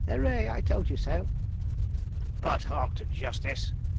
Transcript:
'Hurrah! I told you so.' 'But hark to Justice!'